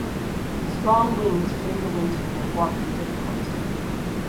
Strong winds during the winter make walking difficult.